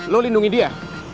lo lindungi dia